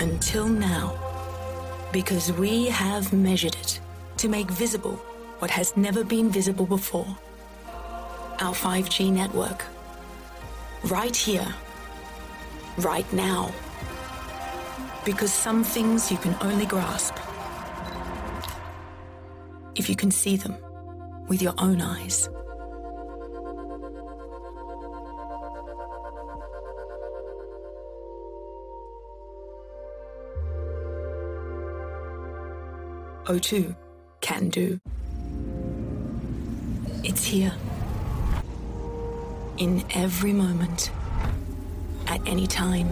Until now, because we have measured it to make visible what has never been visible before. Our 5G network right here, right now. Because some things you can only grasp if you can see them with your own eyes. O2 can do. It's here in every moment, at any time.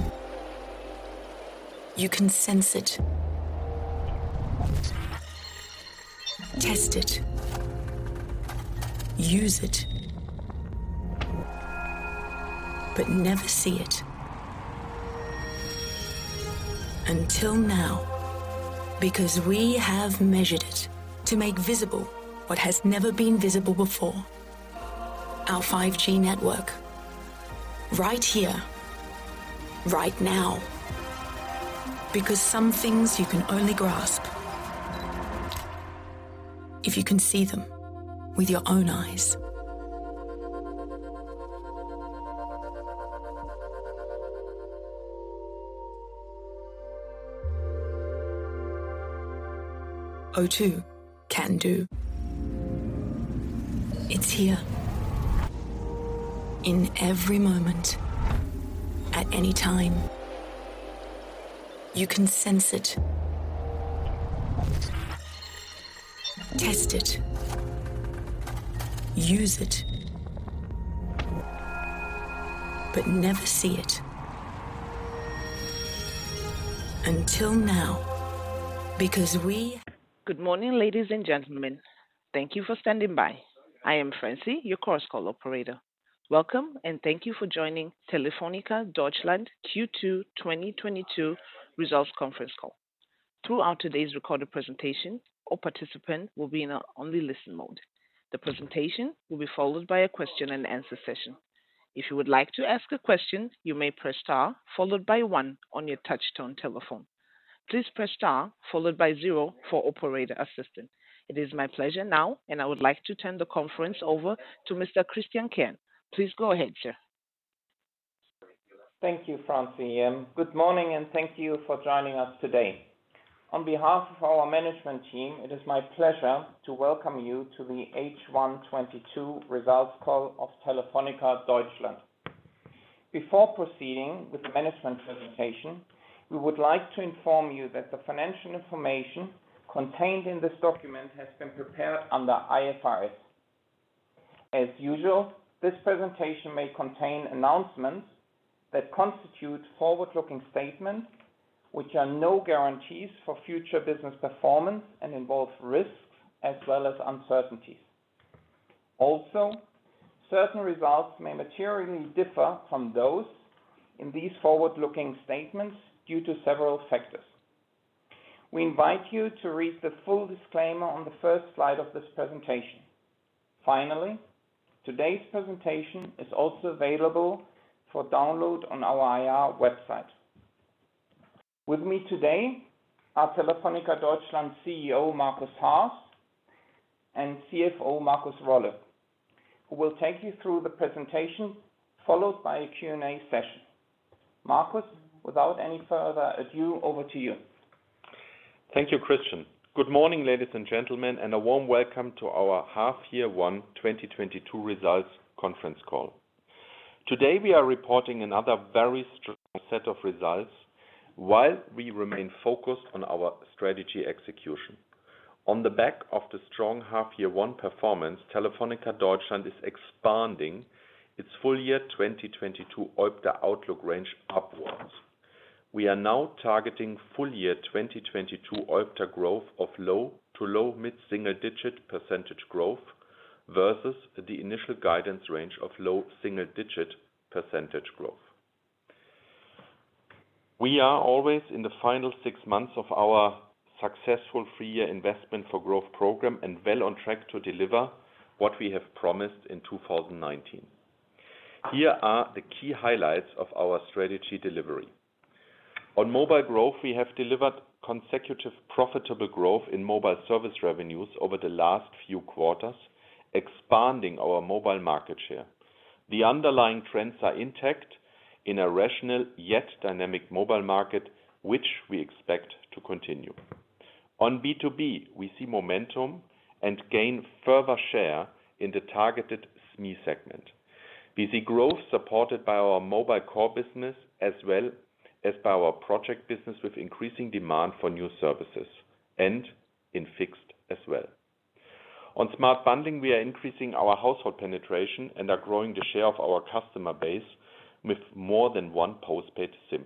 You can sense it. Test it. Use it. But never see it. Until now, because we have measured it to make visible what has never been visible before. Our 5G network right here, right now. Because some things you can only grasp if you can see them with your own eyes. O2 can do. It's here in every moment, at any time. You can sense it. Test it. Use it. But never see it. Until now, because we- Good morning, ladies and gentlemen. Thank you for standing by. I am Francie, your Chorus Call operator. Welcome and thank you for joining Telefónica Deutschland Q2 2022 results conference call. Throughout today's recorded presentation, all participants will be in listen-only mode. The presentation will be followed by a question-and-answer session. If you would like to ask a question, you may press star followed by one on your touchtone telephone. Please press star followed by zero for operator assistance. It is my pleasure now, and I would like to turn the conference over to Mr. Christian Kern. Please go ahead, sir. Thank you, Francie. Good morning and thank you for joining us today. On behalf of our management team, it is my pleasure to welcome you to the H1 2022 results call of Telefónica Deutschland. Before proceeding with the management presentation, we would like to inform you that the financial information contained in this document has been prepared under IFRS. As usual, this presentation may contain announcements that constitute forward-looking statements, which are no guarantees for future business performance and involve risks as well as uncertainties. Certain results may materially differ from those in these forward-looking statements due to several factors. We invite you to read the full disclaimer on the first slide of this presentation. Finally, today's presentation is also available for download on our IR website. With me today are Telefónica Deutschland CEO Markus Haas and CFO Markus Rolle, who will take you through the presentation, followed by a Q&A session. Markus, without any further ado, over to you. Thank you, Christian. Good morning, ladies and gentlemen, and a warm welcome to our half-year one 2022 results conference call. Today we are reporting another very strong set of results while we remain focused on our strategy execution. On the back of the strong half-year 1 performance, Telefónica Deutschland is expanding its full-year 2022 OIBDA outlook range upwards. We are now targeting full-year 2022 OIBDA growth of low- to low mid-single-digit percentage growth versus the initial guidance range of low single-digit percentage growth. We are always in the final six months of our successful three year investment for growth program and well on track to deliver what we have promised in 2019. Here are the key highlights of our strategy delivery. On mobile growth, we have delivered consecutive profitable growth in mobile service revenues over the last few quarters, expanding our mobile market share. The underlying trends are intact in a rational yet dynamic mobile market, which we expect to continue. On B2B, we see momentum and gain further share in the targeted SME segment. We see growth supported by our mobile core business as well as by our project business with increasing demand for new services and in fixed as well. On smart bundling, we are increasing our household penetration and are growing the share of our customer base with more than one postpaid SIM.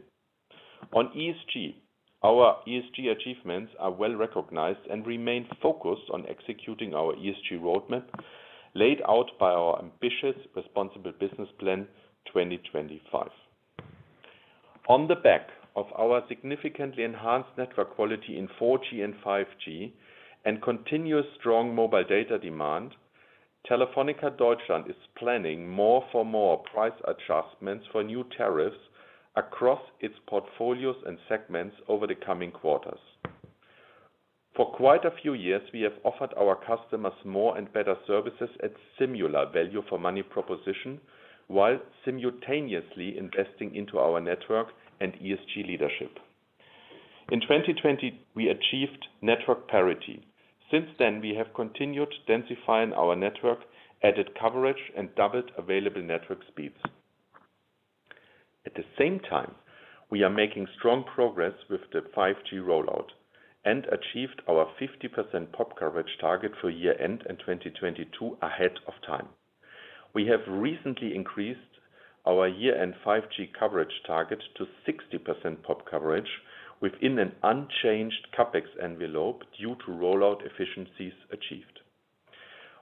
On ESG, our ESG achievements are well recognized and remain focused on executing our ESG roadmap laid out by our ambitious responsible business plan 2025. On the back of our significantly enhanced network quality in 4G and 5G and continuous strong mobile data demand, Telefónica Deutschland is planning more for more price adjustments for new tariffs across its portfolios and segments over the coming quarters. For quite a few years, we have offered our customers more and better services at similar value for money proposition, while simultaneously investing into our network and ESG leadership. In 2020, we achieved network parity. Since then, we have continued densifying our network, added coverage, and doubled available network speeds. At the same time, we are making strong progress with the 5G rollout and achieved our 50% POP coverage target for year-end in 2022 ahead of time. We have recently increased our 5G coverage target to 60% POP coverage within an unchanged CapEx envelope due to rollout efficiencies achieved.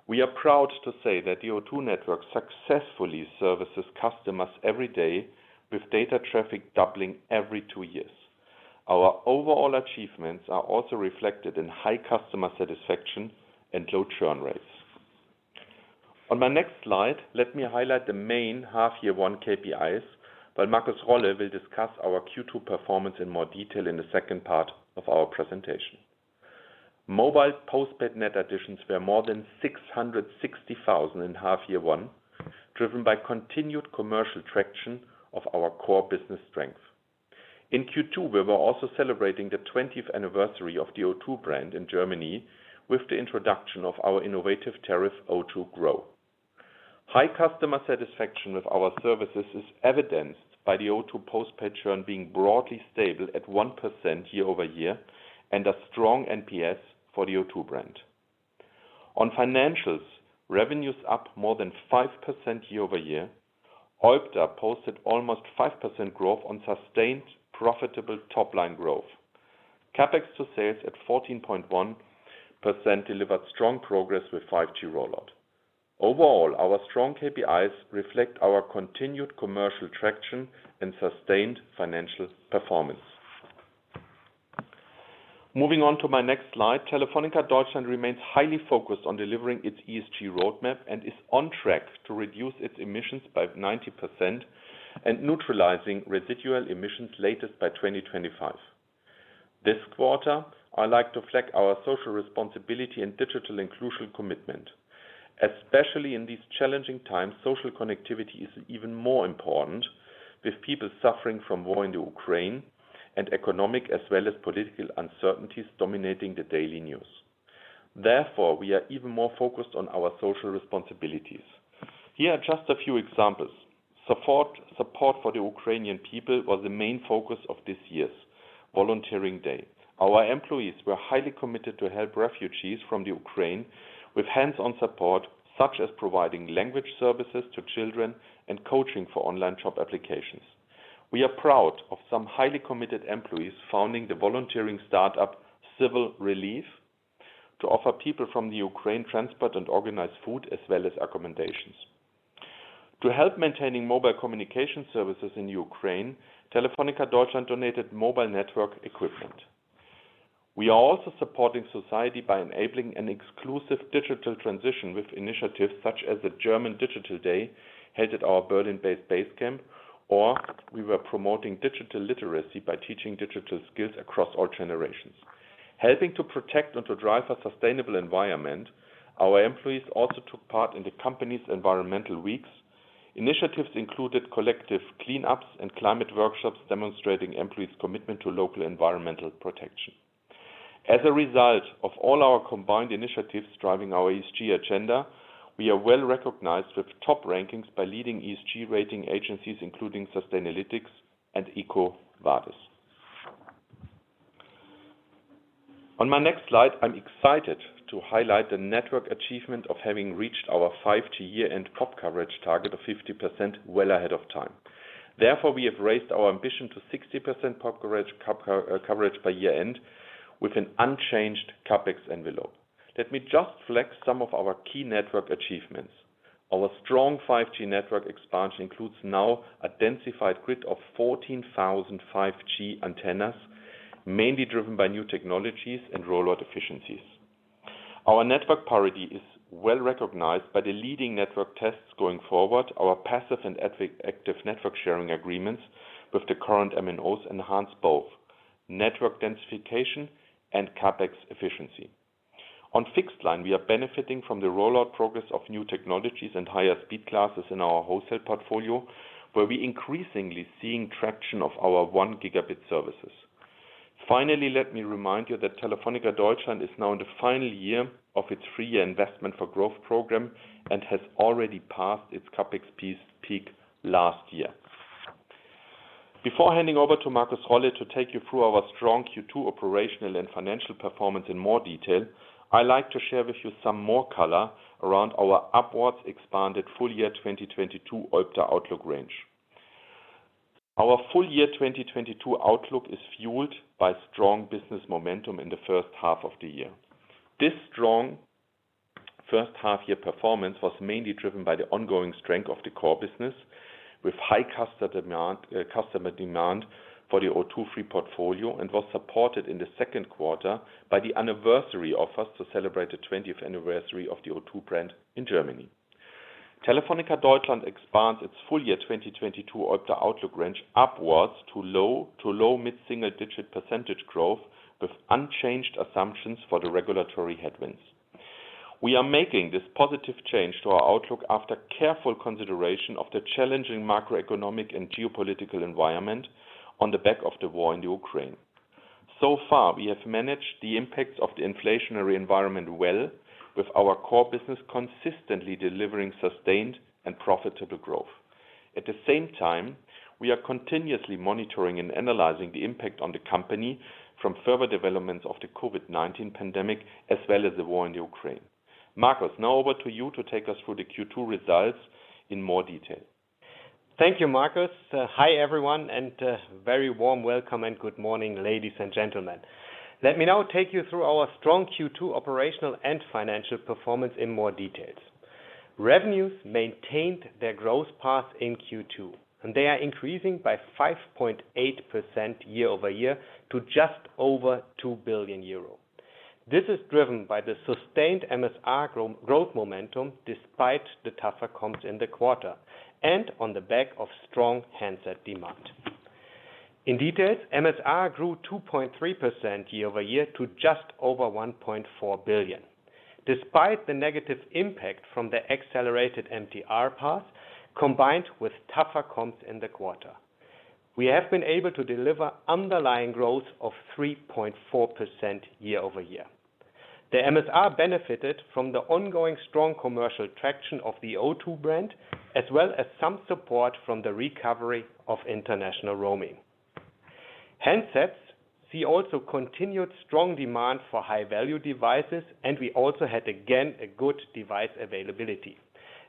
We are proud to say that the O2 network successfully services customers every day with data traffic doubling every two years. Our overall achievements are also reflected in high customer satisfaction and low churn rates. On my next slide, let me highlight the main half year one KPIs while Markus Rolle will discuss our Q2 performance in more detail in the second part of our presentation. Mobile postpaid net additions were more than 660,000 in half year one, driven by continued commercial traction of our core business strength. In Q2, we were also celebrating the 20th anniversary of the O2 brand in Germany with the introduction of our innovative tariff O2 Grow. High customer satisfaction with our services is evidenced by the O2 postpaid churn being broadly stable at 1% year-over-year and a strong NPS for the O2 brand. On financials, revenues up more than 5% year-over-year. OIBDA posted almost 5% growth on sustained profitable top line growth. CapEx to sales at 14.1% delivered strong progress with 5G rollout. Overall, our strong KPIs reflect our continued commercial traction and sustained financial performance. Moving on to my next slide, Telefónica Deutschland remains highly focused on delivering its ESG roadmap and is on track to reduce its emissions by 90% and neutralizing residual emissions latest by 2025. This quarter, I like to flag our social responsibility and digital inclusion commitment. Especially in these challenging times, social connectivity is even more important with people suffering from war in the Ukraine and economic as well as political uncertainties dominating the daily news. Therefore, we are even more focused on our social responsibilities. Here are just a few examples. Support for the Ukrainian people was the main focus of this year's volunteering day. Our employees were highly committed to help refugees from Ukraine with hands-on support, such as providing language services to children and coaching for online job applications. We are proud of some highly committed employees founding the volunteering start-up Civil Relief to offer people from Ukraine transport and organized food as well as accommodations. To help maintaining mobile communication services in Ukraine, Telefónica Deutschland donated mobile network equipment. We are also supporting society by enabling an inclusive digital transition with initiatives such as the German Digital Day, headed by our Berlin-based base camp, or we were promoting digital literacy by teaching digital skills across all generations. Helping to protect and to drive a sustainable environment, our employees also took part in the company's environmental weeks. Initiatives included collective cleanups and climate workshops demonstrating employees' commitment to local environmental protection. As a result of all our combined initiatives driving our ESG agenda, we are well-recognized with top rankings by leading ESG rating agencies, including Sustainalytics and EcoVadis. On my next slide, I'm excited to highlight the network achievement of having reached our 5G year-end POP coverage target of 50% well ahead of time. Therefore, we have raised our ambition to 60% POP coverage by year-end with an unchanged CapEx envelope. Let me just flag some of our key network achievements. Our strong 5G network expansion includes now a densified grid of 14,000 5G antennas, mainly driven by new technologies and rollout efficiencies. Our network parity is well-recognized by the leading network tests going forward. Our passive and active network sharing agreements with the current MNOs enhance both network densification and CapEx efficiency. On fixed line, we are benefiting from the rollout progress of new technologies and higher speed classes in our wholesale portfolio, where we are increasingly seeing traction of our 1 Gb services. Finally, let me remind you that Telefónica Deutschland is now in the final year of its three year investment for growth program and has already passed its CapEx peak last year. Before handing over to Markus Rolle to take you through our strong Q2 operational and financial performance in more detail, I like to share with you some more color around our upwards expanded full year 2022 OIBDA outlook range. Our full year 2022 outlook is fueled by strong business momentum in the first half of the year. This strong first half year performance was mainly driven by the ongoing strength of the core business with high customer demand for the O2 Free portfolio and was supported in the second quarter by the anniversary offers to celebrate the twentieth anniversary of the O2 brand in Germany. Telefónica Deutschland expands its full year 2022 OIBDA outlook range upwards to low- to low mid-single-digit % growth with unchanged assumptions for the regulatory headwinds. We are making this positive change to our outlook after careful consideration of the challenging macroeconomic and geopolitical environment on the back of the war in Ukraine. So far, we have managed the impacts of the inflationary environment well with our core business consistently delivering sustained and profitable growth. At the same time, we are continuously monitoring and analyzing the impact on the company from further developments of the COVID-19 pandemic as well as the war in Ukraine. Markus, now over to you to take us through the Q2 results in more detail. Thank you, Markus. Hi everyone, and very warm welcome and good morning, ladies and gentlemen. Let me now take you through our strong Q2 operational and financial performance in more detail. Revenues maintained their growth path in Q2, and they are increasing by 5.8% year-over-year to just over 2 billion euro. This is driven by the sustained MSR growth momentum despite the tougher comps in the quarter and on the back of strong handset demand. In detail, MSR grew 2.3% year-over-year to just over 1.4 billion. Despite the negative impact from the accelerated MTR path, combined with tougher comps in the quarter, we have been able to deliver underlying growth of 3.4% year-over-year. The MSR benefited from the ongoing strong commercial traction of the O2 brand, as well as some support from the recovery of international roaming. Handset sales also continued strong demand for high-value devices, and we also had, again, a good device availability.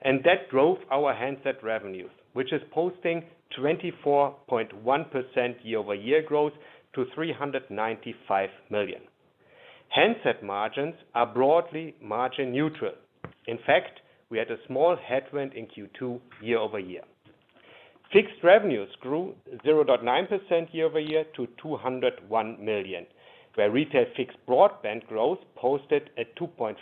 That drove our handset revenues, which is posting 24.1% year-over-year growth to 395 million. Handset margins are broadly margin neutral. In fact, we had a small headwind in Q2 year-over-year. Fixed revenues grew 0.9% year-over-year to 201 million, where retail fixed broadband growth posted a 2.5%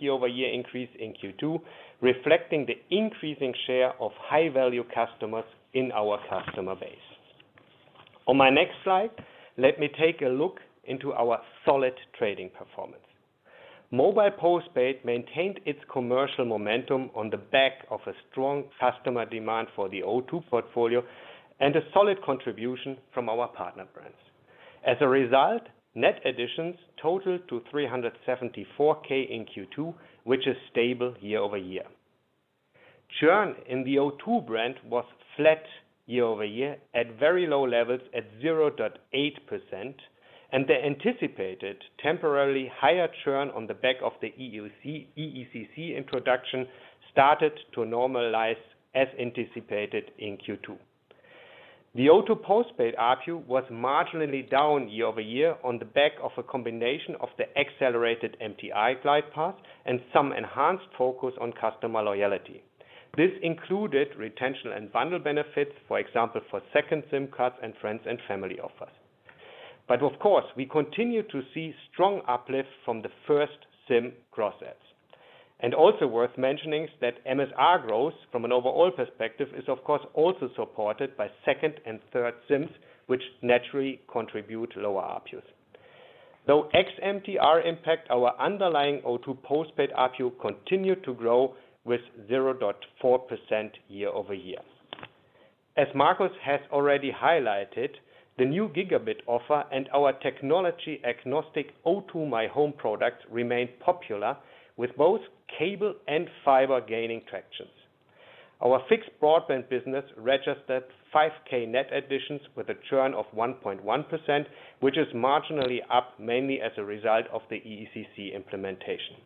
year-over-year increase in Q2, reflecting the increasing share of high-value customers in our customer base. On my next slide, let me take a look into our solid trading performance. Mobile postpaid maintained its commercial momentum on the back of a strong customer demand for the O2 portfolio and a solid contribution from our partner brands. As a result, net additions totaled to 374,000 in Q2, which is stable year-over-year. Churn in the O2 brand was flat year-over-year at very low levels at 0.8%, and the anticipated temporarily higher churn on the back of the EECC introduction started to normalize as anticipated in Q2. The O2 postpaid ARPU was marginally down year-over-year on the back of a combination of the accelerated MTR glide path and some enhanced focus on customer loyalty. This included retention and bundle benefits, for example, for second SIM cards and friends and family offers. Of course, we continue to see strong uplift from the first SIM cross-sells. Also worth mentioning is that MSR growth from an overall perspective is of course also supported by second and third SIMs, which naturally contribute lower ARPUs. Though ex-MTR impact, our underlying O2 postpaid ARPU continued to grow with 0.4% year-over-year. As Markus has already highlighted, the new gigabit offer and our technology agnostic O2 my Home product remained popular with both cable and fiber gaining traction. Our fixed broadband business registered 5,000 net additions with a churn of 1.1%, which is marginally up mainly as a result of the EECC implementation.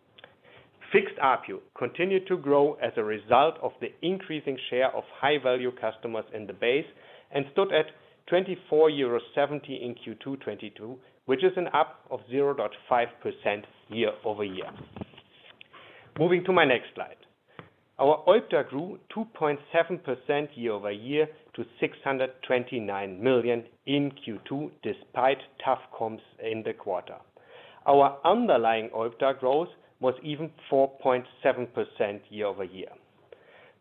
Fixed ARPU continued to grow as a result of the increasing share of high-value customers in the base and stood at 24.70 euros in Q2 2022, which is an up of 0.5% year-over-year. Moving to my next slide. Our OIBDA grew 2.7% year-over-year to 629 million in Q2, despite tough comps in the quarter. Our underlying OIBDA growth was even 4.7% year-over-year.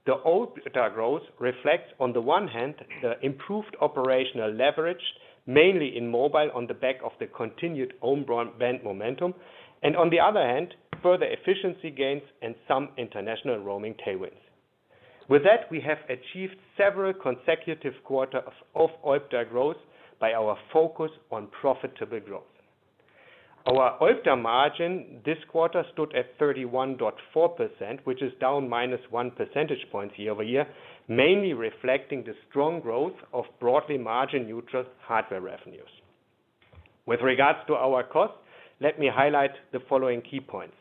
The OIBDA growth reflects on the one hand, the improved operational leverage, mainly in mobile on the back of the continued own brand band momentum, and on the other hand, further efficiency gains and some international roaming tailwinds. With that, we have achieved several consecutive quarter of OIBDA growth by our focus on profitable growth. Our OIBDA margin this quarter stood at 31.4%, which is down -1 percentage points year-over-year, mainly reflecting the strong growth of broadly margin neutral hardware revenues. With regards to our costs, let me highlight the following key points.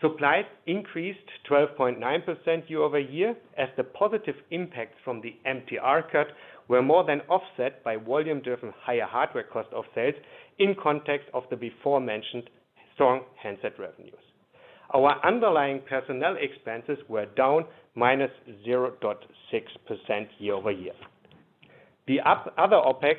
Supplies increased 12.9% year-over-year as the positive impacts from the MTR cut were more than offset by volume-driven higher hardware cost of sales in context of the before-mentioned strong handset revenues. Our underlying personnel expenses were down -0.6% year-over-year. The other OpEx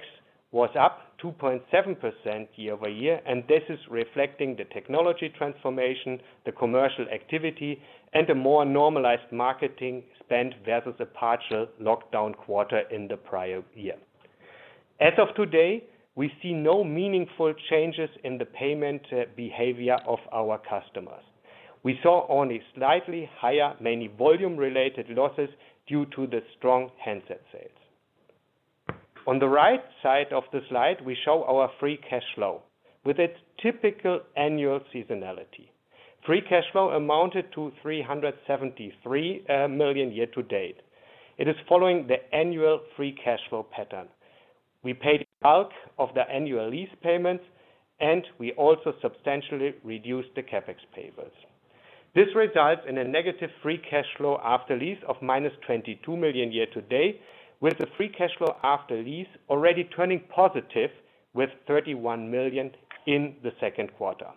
was up 2.7% year-over-year, and this is reflecting the technology transformation, the commercial activity, and a more normalized marketing spend versus a partial lockdown quarter in the prior year. As of today, we see no meaningful changes in the payment behavior of our customers. We saw only slightly higher, mainly volume-related losses due to the strong handset sales. On the right side of the slide, we show our free cash flow with its typical annual seasonality. Free cash flow amounted to 373 million year to date. It is following the annual free cash flow pattern. We paid bulk of the annual lease payments, and we also substantially reduced the CapEx payments. This results in a negative free cash flow after lease of -22 million year to date, with the free cash flow after lease already turning positive with 31 million in the second quarter.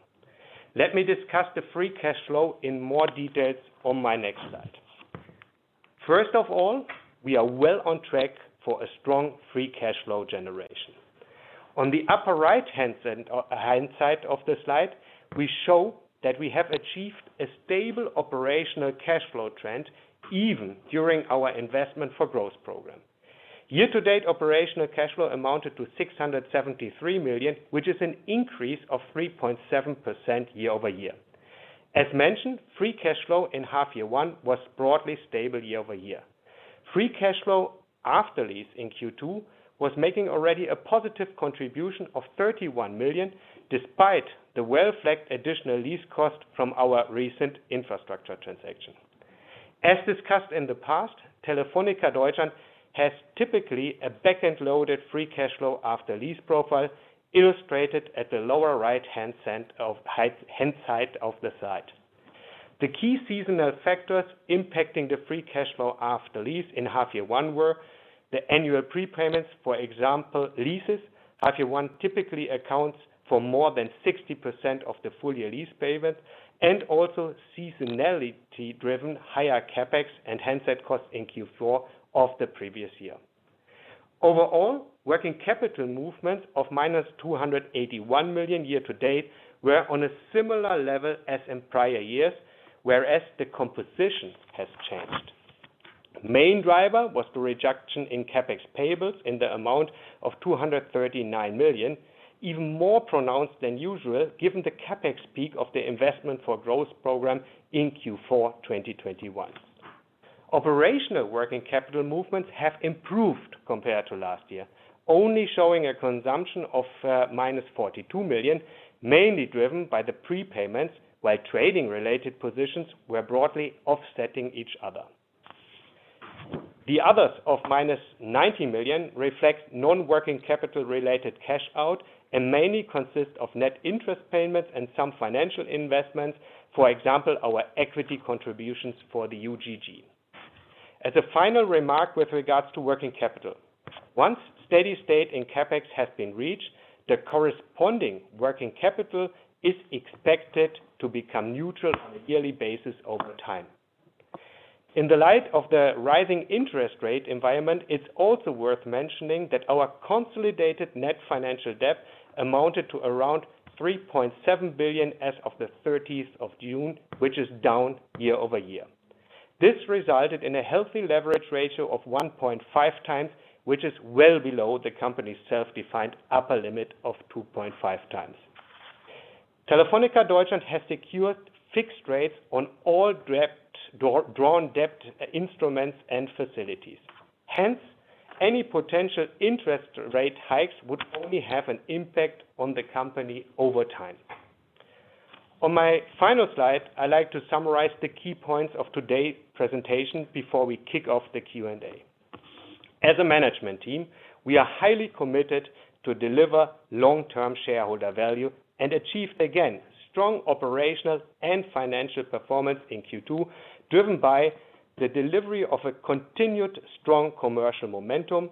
Let me discuss the free cash flow in more details on my next slide. First of all, we are well on track for a strong free cash flow generation. On the upper right-hand side of the slide, we show that we have achieved a stable operational cash flow trend even during our investment for growth program. Year to date, operational cash flow amounted to 673 million, which is an increase of 3.7% year-over-year. As mentioned, free cash flow in half year one was broadly stable year-over-year. Free cash flow after lease in Q2 was making already a positive contribution of 31 million, despite the well-flagged additional lease cost from our recent infrastructure transaction. As discussed in the past, Telefónica Deutschland has typically a backend loaded free cash flow after lease profile, illustrated at the lower right-hand side of the slide. The key seasonal factors impacting the free cash flow after lease in half year one were the annual prepayments, for example, leases. Half year one typically accounts for more than 60% of the full year lease payment and also seasonality driven higher CapEx and handset costs in Q4 of the previous year. Overall, working capital movements of -281 million year to date were on a similar level as in prior years, whereas the composition has changed. Main driver was the reduction in CapEx payables in the amount of 239 million, even more pronounced than usual, given the CapEx peak of the investment for growth program in Q4 2021. Operational working capital movements have improved compared to last year, only showing a consumption of -42 million, mainly driven by the prepayments while trading related positions were broadly offsetting each other. The outflow of -90 million reflects non-working capital related cash outflows and mainly consists of net interest payments and some financial investments, for example, our equity contributions for the UGG. As a final remark with regards to working capital, once steady state in CapEx has been reached, the corresponding working capital is expected to become neutral on a yearly basis over time. In the light of the rising interest rate environment, it's also worth mentioning that our consolidated net financial debt amounted to around 3.7 billion as of the June 13th, which is down year-over-year. This resulted in a healthy leverage ratio of 1.5x, which is well below the company's self-defined upper limit of 2.5x. Telefónica Deutschland has secured fixed rates on all drawn debt instruments and facilities. Hence, any potential interest rate hikes would only have an impact on the company over time. On my final slide, I like to summarize the key points of today's presentation before we kick off the Q&A. As a management team, we are highly committed to deliver long-term shareholder value and achieved again strong operational and financial performance in Q2, driven by the delivery of a continued strong commercial momentum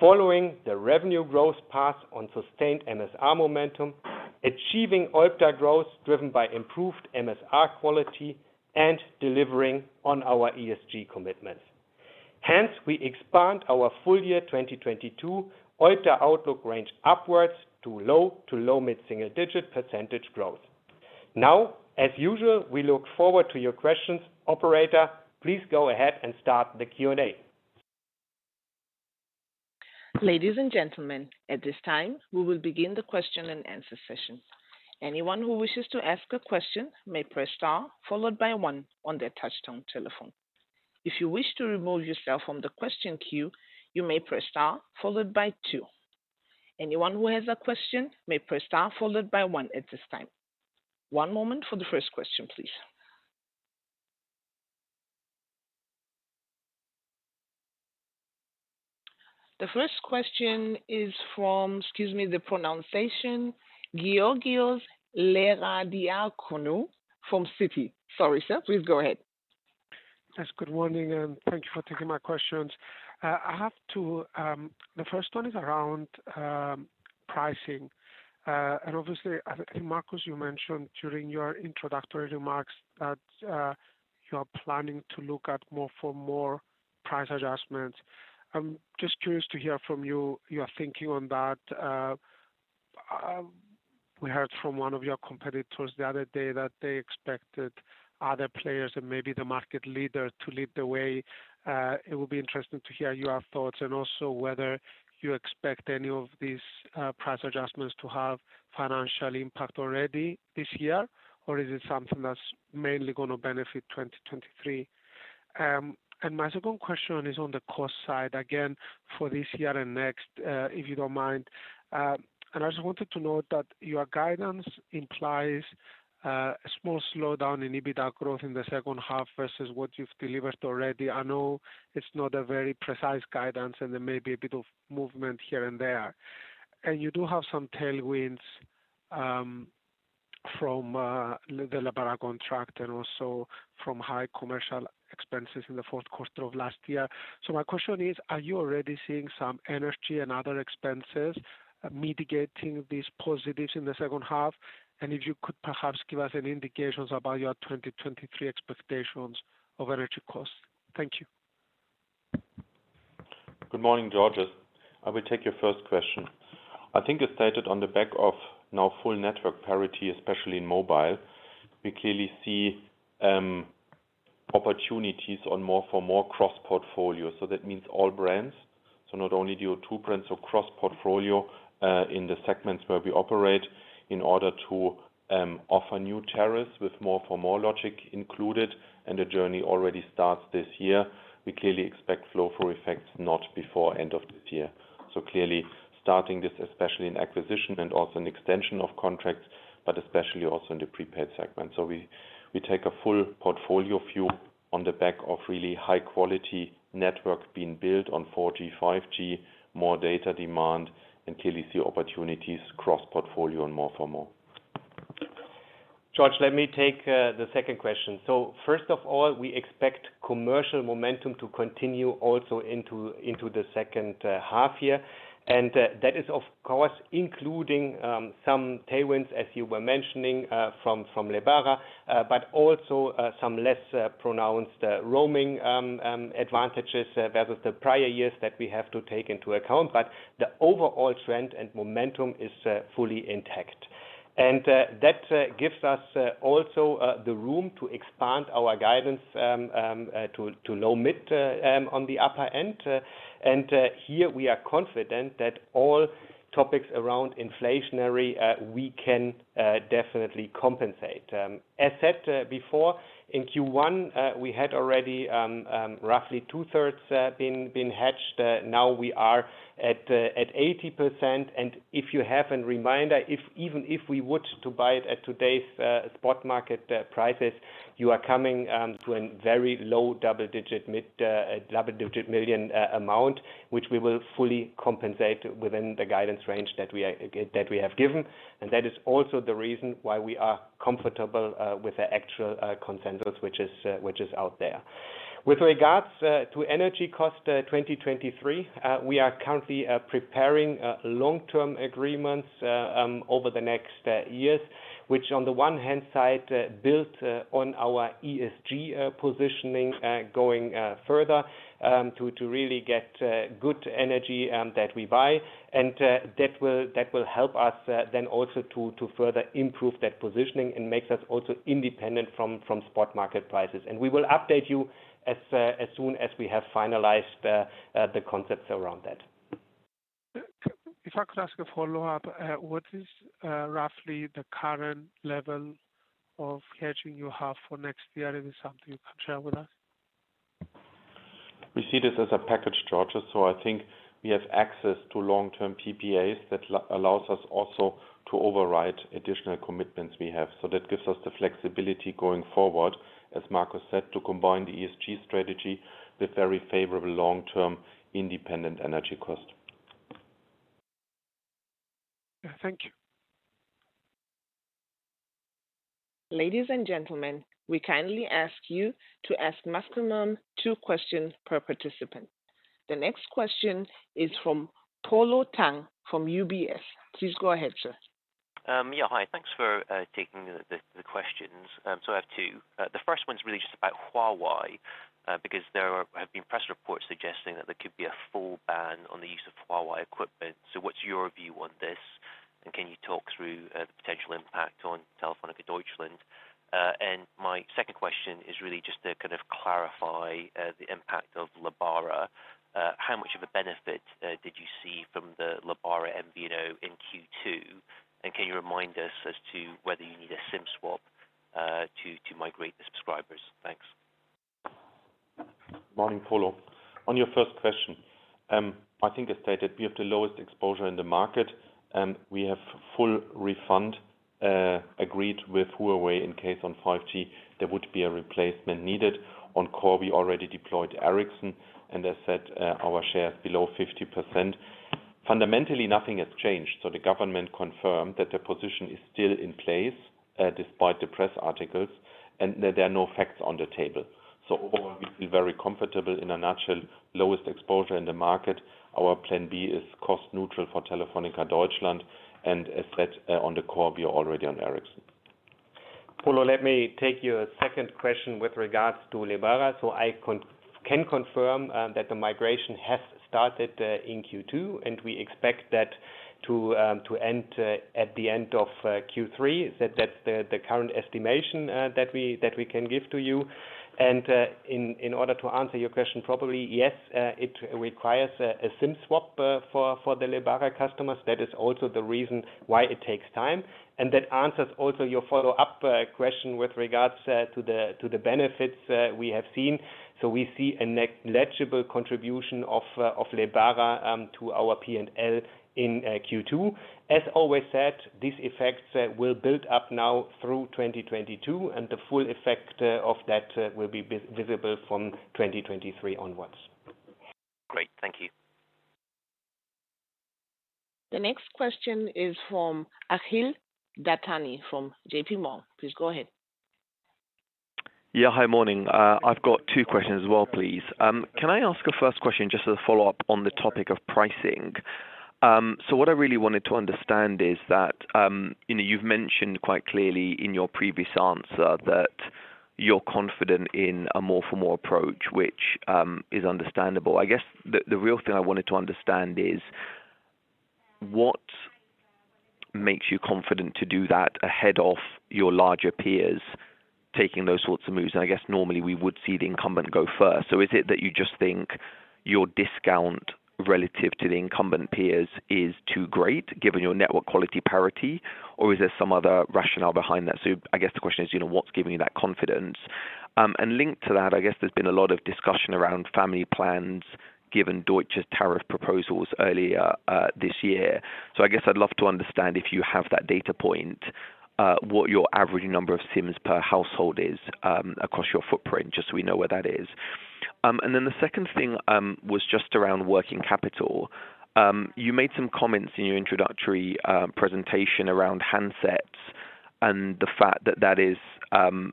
following the revenue growth path on sustained MSR momentum, achieving OIBDA growth driven by improved MSR quality and delivering on our ESG commitments. Hence, we expand our full year 2022 OIBDA outlook range upwards to low to low mid-single digit % growth. Now, as usual, we look forward to your questions. Operator, please go ahead and start the Q&A. Ladies and gentlemen, at this time, we will begin the question and answer session. Anyone who wishes to ask a question may press star followed by one on their touch-tone telephone. If you wish to remove yourself from the question queue, you may press star followed by two. Anyone who has a question may press star followed by one at this time. One moment for the first question, please. The first question is from, excuse me, the pronunciation, Georgios Lerodiaconou from Citi. Sorry, sir. Please go ahead. Yes, good morning, and thank you for taking my questions. I have two. The first one is around pricing. Obviously, I think, Markus, you mentioned during your introductory remarks that you are planning to look at more price adjustments. I'm just curious to hear from you your thinking on that. We heard from one of your competitors the other day that they expected other players and maybe the market leader to lead the way. It would be interesting to hear your thoughts and also whether you expect any of these price adjustments to have financial impact already this year. Or is it something that's mainly gonna benefit 2023? My second question is on the cost side, again, for this year and next, if you don't mind. I just wanted to note that your guidance implies a small slowdown in EBITDA growth in the second half versus what you've delivered already. I know it's not a very precise guidance, and there may be a bit of movement here and there. You do have some tailwinds from the Lebara contract and also from high commercial expenses in the fourth quarter of last year. My question is, are you already seeing some energy and other expenses mitigating these positives in the second half? If you could perhaps give us an indication about your 2023 expectations of energy costs. Thank you. Good morning, Georgios. I will take your first question. I think you stated on the back of now full network parity, especially in mobile, we clearly see opportunities on more for more cross-portfolio. That means all brands. Not only your two brands, cross-portfolio in the segments where we operate in order to offer new tariffs with more for more logic included, and the journey already starts this year. We clearly expect flow-through effects not before end of this year. Clearly starting this, especially in acquisition and also an extension of contracts, but especially also in the prepaid segment. We take a full portfolio view on the back of really high quality network being built on 4G, 5G, more data demand, and clearly see opportunities cross-portfolio and more for more. Georgios, let me take the second question. First of all, we expect commercial momentum to continue also into the second half year. That is, of course, including some tailwinds, as you were mentioning, from Lebara, but also some less pronounced roaming advantages versus the prior years that we have to take into account. The overall trend and momentum is fully intact. That gives us also the room to expand our guidance to low mid on the upper end. Here we are confident that all topics around inflationary we can definitely compensate. As said before, in Q1, we had already roughly two-thirds been hedged. Now we are at 80%. If you have a reminder, even if we were to buy it at today's spot market prices, you are coming to a very low double-digit to mid-double-digit million amount, which we will fully compensate within the guidance range that we have given. That is also the reason why we are comfortable with the actual consensus, which is out there. With regards to energy costs, 2023, we are currently preparing long-term agreements over the next years. Which on the one hand, build on our ESG positioning, going further to really get good energy that we buy. That will help us then also to further improve that positioning and makes us also independent from spot market prices. We will update you as soon as we have finalized the concepts around that. If I could ask a follow-up. What is roughly the current level of hedging you have for next year? Is it something you can share with us? We see this as a package, Georgios. I think we have access to long-term PPAs that allows us also to override additional commitments we have. That gives us the flexibility going forward, as Markus said, to combine the ESG strategy with very favorable long-term independent energy cost. Thank you. Ladies and gentlemen, we kindly ask you to ask maximum two questions per participant. The next question is from Polo Tang from UBS. Please go ahead, sir. Yeah, hi. Thanks for taking the questions. I have two. The first one's really just about Huawei, because there have been press reports suggesting that there could be a full ban on the use of Huawei equipment. What's your view on this? Can you talk through the potential impact on Telefónica Deutschland? My second question is really just to kind of clarify the impact of Lebara. How much of a benefit did you see from the Lebara MVNO in Q2? Can you remind us as to whether you need a SIM swap to migrate the subscribers? Thanks. Morning, Polo. On your first question, I think I stated we have the lowest exposure in the market, and we have full refund agreed with Huawei in case on 5G there would be a replacement needed. On core, we already deployed Ericsson, and as said, our share is below 50%. Fundamentally, nothing has changed. The government confirmed that the position is still in place, despite the press articles, and there are no facts on the table. Overall, we feel very comfortable. In a nutshell, lowest exposure in the market. Our plan B is cost neutral for Telefónica Deutschland. As said, on the core, we're already on Ericsson. Polo, let me take your second question with regards to Lebara. I can confirm that the migration has started in Q2, and we expect that to end at the end of Q3. That's the current estimation that we can give to you. In order to answer your question properly, yes, it requires a SIM swap for the Lebara customers. That is also the reason why it takes time. That answers also your follow-up question with regards to the benefits we have seen. We see a negligible contribution of Lebara to our P&L in Q2. As always said, these effects will build up now through 2022, and the full effect of that will be visible from 2023 onwards. Great. Thank you. The next question is from Akhil Dattani from J.P. Morgan. Please go ahead. Yeah. Hi. Morning. I've got two questions as well, please. Can I ask a first question just as a follow-up on the topic of pricing? So what I really wanted to understand is that, you know, you've mentioned quite clearly in your previous answer that you're confident in a more for more approach, which, is understandable. I guess the real thing I wanted to understand is what makes you confident to do that ahead of your larger peers taking those sorts of moves? I guess normally we would see the incumbent go first. Is it that you just think your discount relative to the incumbent peers is too great given your network quality parity, or is there some other rationale behind that? I guess the question is, you know, what's giving you that confidence? Linked to that, I guess there's been a lot of discussion around family plans given Deutsche Telekom's tariff proposals earlier this year. I guess I'd love to understand if you have that data point, what your average number of SIMs per household is across your footprint, just so we know where that is. The second thing was just around working capital. You made some comments in your introductory presentation around handsets and the fact that that is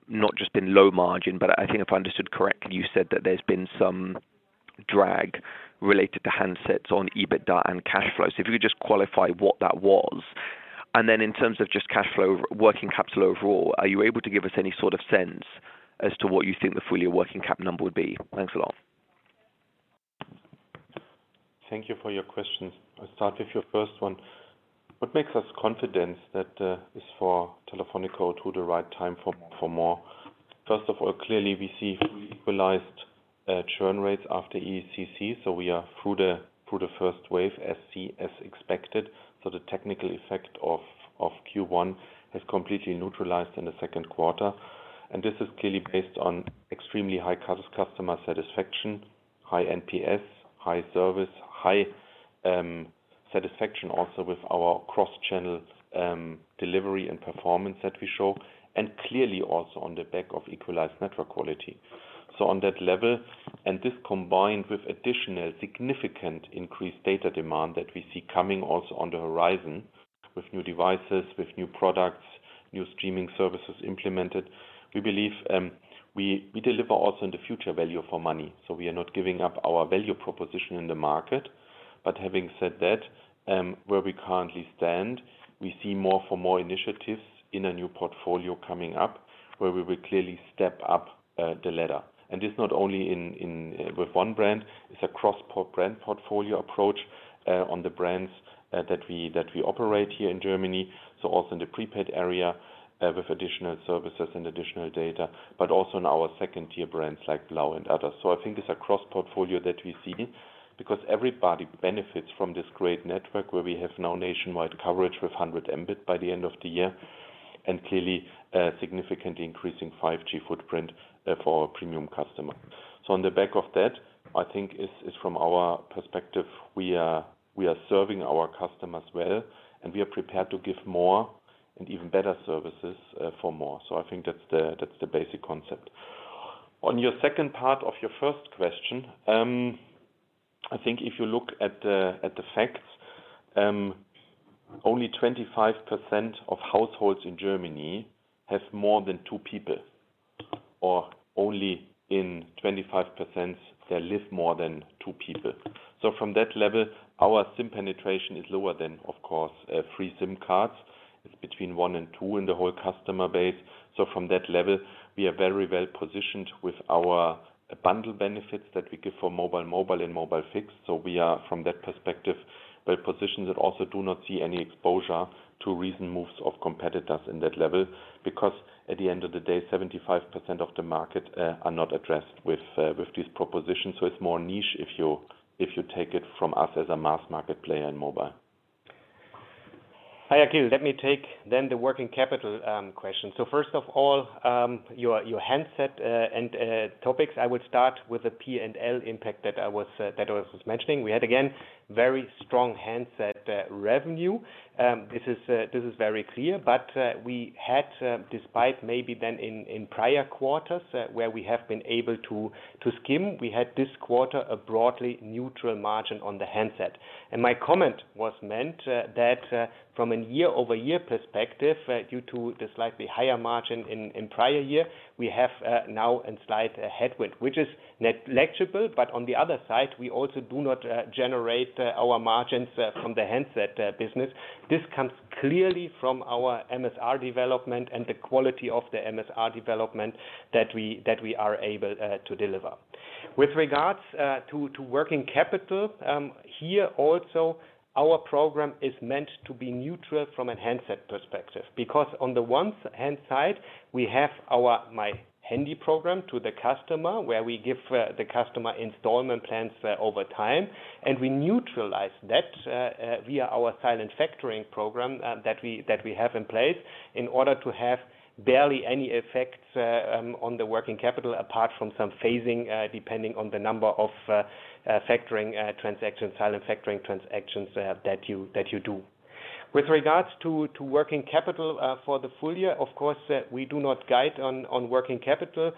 not just been low margin, but I think if I understood correctly, you said that there's been some drag related to handsets on EBITDA and cash flows. If you could just qualify what that was. In terms of just cash flow, working capital overall, are you able to give us any sort of sense as to what you think the full year working cap number would be? Thanks a lot. Thank you for your questions. I'll start with your first one. What makes us confident that is for Telefónica the right time for more? First of all, clearly we see fully equalized churn rates after EECC. We are through the first wave as we see, as expected. The technical effect of Q1 has completely neutralized in the second quarter. This is clearly based on extremely high customer satisfaction, high NPS, high service, high satisfaction also with our cross-channel delivery and performance that we show, and clearly also on the back of equalized network quality. On that level, this combined with additional significant increased data demand that we see coming also on the horizon with new devices, with new products, new streaming services implemented. We believe we deliver also in the future value for money. We are not giving up our value proposition in the market. Having said that, where we currently stand, we see more for more initiatives in a new portfolio coming up where we will clearly step up the ladder. It's not only in with one brand. It's a cross-brand portfolio approach on the brands that we operate here in Germany. Also in the prepaid area with additional services and additional data, but also in our second-tier brands like Blau and others. I think it's a cross-portfolio that we see because everybody benefits from this great network where we have now nationwide coverage with 100 Mbit by the end of the year, and clearly significantly increasing 5G footprint for our premium customer. On the back of that, I think from our perspective, we are serving our customers well, and we are prepared to give more and even better services for more. I think that's the basic concept. On your second part of your first question, I think if you look at the facts, only 25% of households in Germany have more than two people, or only in 25% there live more than two people. From that level, our SIM penetration is lower than, of course, three SIM cards. It's between one and two in the whole customer base. From that level, we are very well positioned with our bundle benefits that we give for mobile and fixed. We are, from that perspective, well positioned and also do not see any exposure to recent moves of competitors in that level. Because at the end of the day, 75% of the market are not addressed with these propositions. It's more niche if you take it from us as a mass market player in mobile. Hi, Akhil. Let me take then the working capital question. First of all, your handset and topics, I would start with the P&L impact that I was mentioning. We had, again, very strong handset revenue. This is very clear, but we had, despite maybe than in prior quarters, where we have been able to skim, we had this quarter a broadly neutral margin on the handset. My comment was meant that from a year-over-year perspective, due to the slightly higher margin in prior year, we have now a slight headwind, which is negligible, but on the other side, we also do not generate our margins from the handset business. This comes clearly from our MSR development and the quality of the MSR development that we are able to deliver. With regards to working capital, here also our program is meant to be neutral from a handset perspective, because on the one hand side, we have our My Handy program to the customer, where we give the customer installment plans over time, and we neutralize that via our silent factoring program that we have in place in order to have barely any effects on the working capital, apart from some phasing depending on the number of silent factoring transactions that you do. With regards to working capital for the full year, of course, we do not guide on working capital.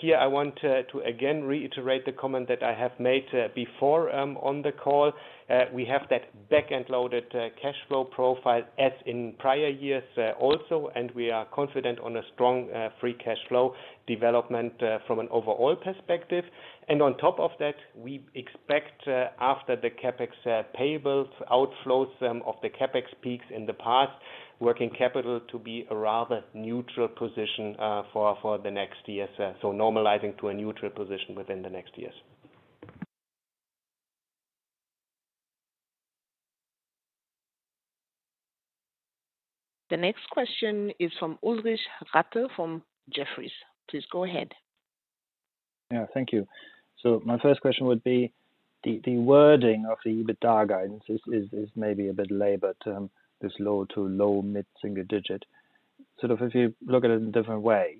Here I want to again reiterate the comment that I have made before on the call. We have that back-end loaded cash flow profile as in prior years, also, and we are confident on a strong free cash flow development from an overall perspective. On top of that, we expect after the CapEx payables outflows from the CapEx peaks in the past, working capital to be a rather neutral position for the next years. Normalizing to a neutral position within the next years. The next question is from Ulrich Rathe from Jefferies. Please go ahead. Yeah, thank you. My first question would be the wording of the EBITDA guidance is maybe a bit labored to this low- to low-mid-single-digit. Sort of if you look at it a different way,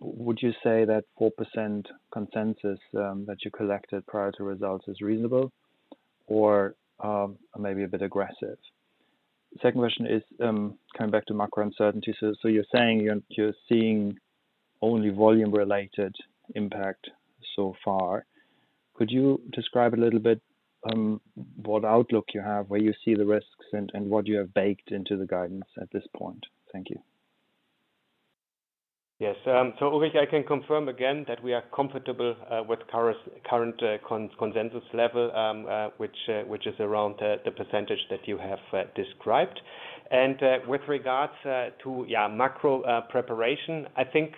would you say that 4% consensus that you collected prior to results is reasonable or maybe a bit aggressive? Second question is coming back to macro uncertainties. You're saying you're seeing only volume-related impact so far. Could you describe a little bit what outlook you have, where you see the risks and what you have baked into the guidance at this point? Thank you. Yes. So Ulrich, I can confirm again that we are comfortable with current consensus level, which is around the percentage that you have described. With regards to macro preparation, I think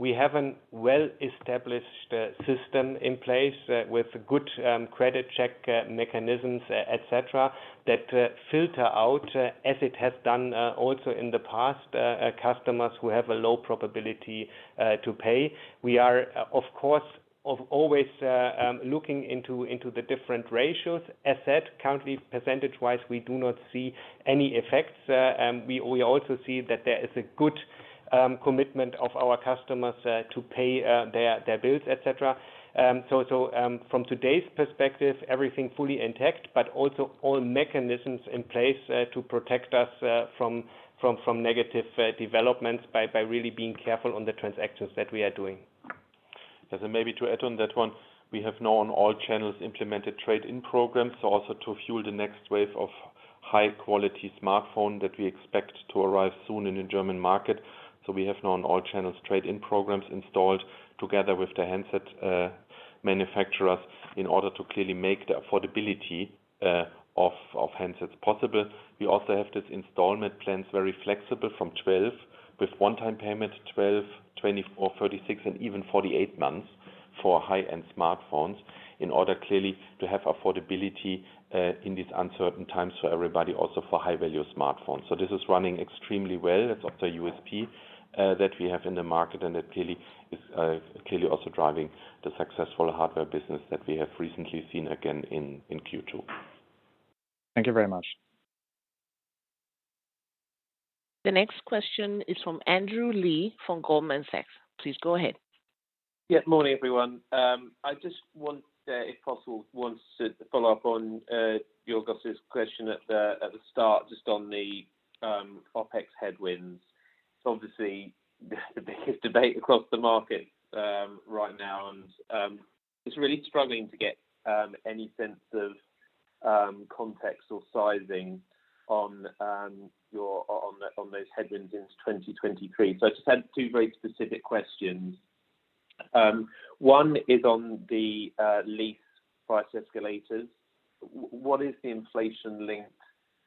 we have a well-established system in place with good credit check mechanisms, et cetera, that filter out, as it has done also in the past, customers who have a low probability to pay. We are of course always looking into the different ratios. As said, currently, percentage-wise, we do not see any effects. We also see that there is a good commitment of our customers to pay their bills, et cetera. From today's perspective, everything fully intact, but also all mechanisms in place to protect us from negative developments by really being careful on the transactions that we are doing. Maybe to add on that one: We have now on all channels implemented trade-in programs, also to fuel the next wave of high-quality smartphone that we expect to arrive soon in the German market. We have now on all channels trade-in programs installed together with the handset manufacturers in order to clearly make the affordability of handsets possible. We also have these installment plans very flexible from 12, with one-time payment, 12, 24, 36, and even 48 months for high-end smartphones in order clearly to have affordability in these uncertain times for everybody, also for high-value smartphones. This is running extremely well. That's also USP that we have in the market, and that clearly also driving the successful hardware business that we have recently seen again in Q2. Thank you very much. The next question is from Andrew Lee from Goldman Sachs. Please go ahead. Yeah. Morning, everyone. I just want, if possible, to follow up on Georgios's question at the start, just on the OpEx headwinds. It's obviously the biggest debate across the market right now, and just really struggling to get any sense of context or sizing on those headwinds into 2023. I just have two very specific questions. One is on the lease price escalators. What is the inflation link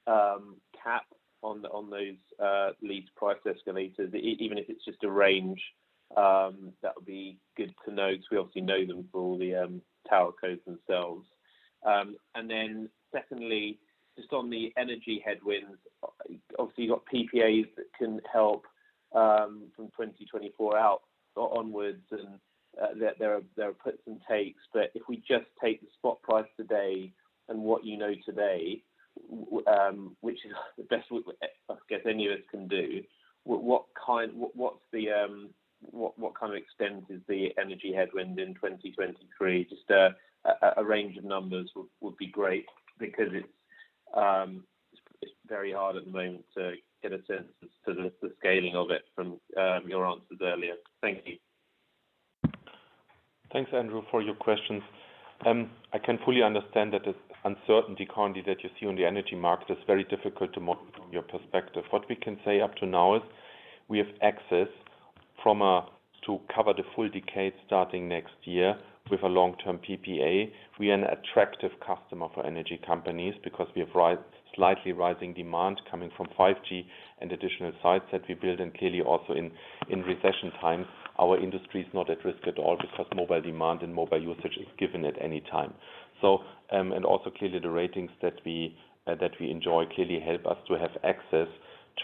cap on those lease price escalators? Even if it's just a range, that would be good to know, because we obviously know them for all the tower cos themselves. Secondly, just on the energy headwinds, obviously you've got PPAs that can help from 2024 onwards, and there are puts and takes. If we just take the spot price today and what you know today, which is the best I guess any of us can do, what kind of extent is the energy headwind in 2023? Just a range of numbers would be great because it's very hard at the moment to get a sense as to the scaling of it from your answers earlier. Thank you. Thanks, Andrew, for your questions. I can fully understand that the uncertainty currently that you see in the energy market is very difficult to model from your perspective. What we can say up to now is we have access- To cover the full decade starting next year with a long-term PPA. We are an attractive customer for energy companies because we have rising, slightly rising demand coming from 5G and additional sites that we build, and clearly also in recession times, our industry is not at risk at all because mobile demand and mobile usage is given at any time. And also clearly the ratings that we enjoy clearly help us to have access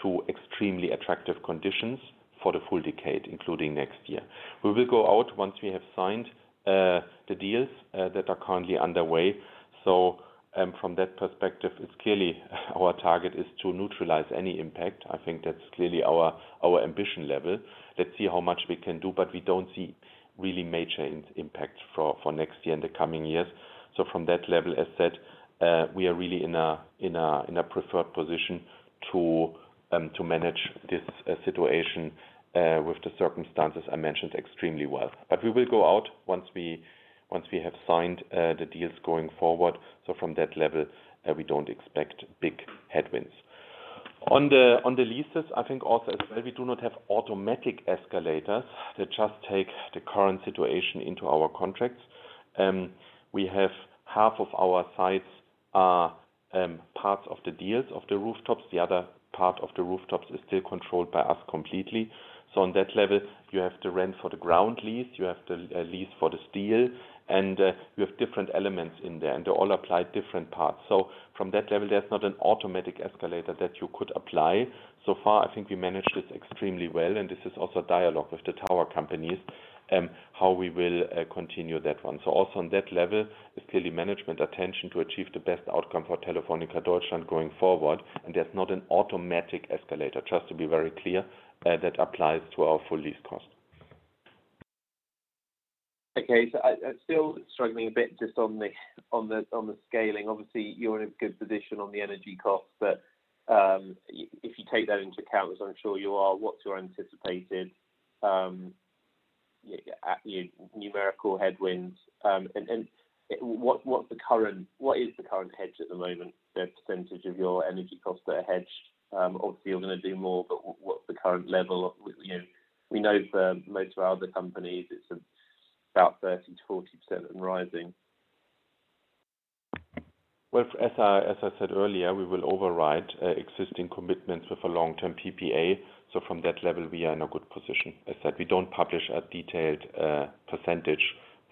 to extremely attractive conditions for the full decade, including next year. We will go out once we have signed the deals that are currently underway. From that perspective, it's clearly our target is to neutralize any impact. I think that's clearly our ambition level. Let's see how much we can do, but we don't see really major impact for next year and the coming years. From that level, as said, we are really in a preferred position to manage this situation with the circumstances I mentioned extremely well. We will go out once we have signed the deals going forward. From that level, we don't expect big headwinds. On the leases, I think also as well, we do not have automatic escalators that just take the current situation into our contracts. We have half of our sites are parts of the deals of the rooftops. The other part of the rooftops is still controlled by us completely. On that level, you have the rent for the ground lease, you have the lease for the steel, and you have different elements in there, and they all apply different parts. From that level, there's not an automatic escalator that you could apply. So far, I think we managed this extremely well, and this is also a dialogue with the tower companies, how we will continue that one. Also on that level is clearly management attention to achieve the best outcome for Telefónica Deutschland going forward. There's not an automatic escalator, just to be very clear, that applies to our full lease cost. Okay. I'm still struggling a bit just on the scaling. Obviously, you're in a good position on the energy costs, but if you take that into account, as I'm sure you are, what's your anticipated numerical headwinds? What's the current hedge at the moment, the percentage of your energy costs that are hedged? Obviously, you're gonna do more, but what's the current level? You know, we know for most of our other companies, it's about 30%-40% and rising. Well, as I said earlier, we will override existing commitments with a long-term PPA. From that level, we are in a good position. As said, we don't publish a detailed percentage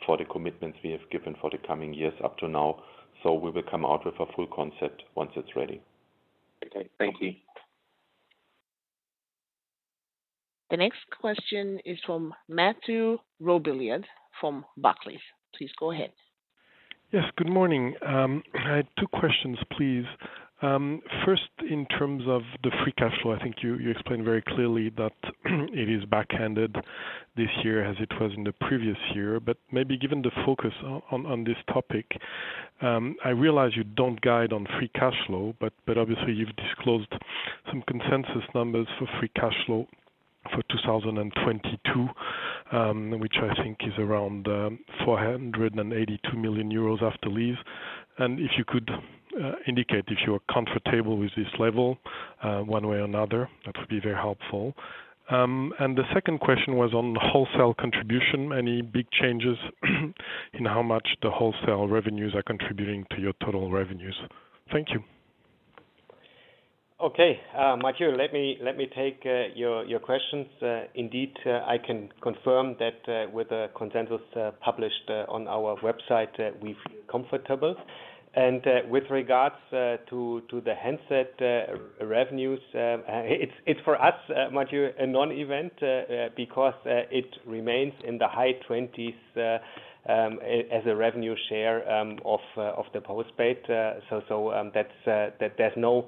for the commitments we have given for the coming years up to now, so we will come out with a full concept once it's ready. Okay. Thank you. The next question is from Mathieu Robilliard from Barclays. Please go ahead. Yes, good morning. I had two questions, please. First, in terms of the free cash flow, I think you explained very clearly that it is back-loaded this year as it was in the previous year. Maybe given the focus on this topic, I realize you don't guide on free cash flow, but obviously you've disclosed some consensus numbers for free cash flow for 2022, which I think is around 482 million euros after lease. If you could indicate if you're comfortable with this level one way or another, that would be very helpful. The second question was on the wholesale contribution. Any big changes in how much the wholesale revenues are contributing to your total revenues? Thank you. Okay. Mathieu, let me take your questions. Indeed, I can confirm that with the consensus published on our website, we feel comfortable. With regards to the handset revenues, it's for us, Mathieu, a non-event because it remains in the high 20s as a revenue share of the postpaid. That's no